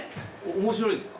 面白いですか？